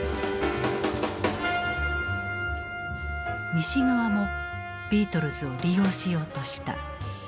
西側もビートルズを利用しようとした。